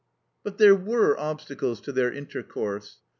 But there were obstacles to their intercourse.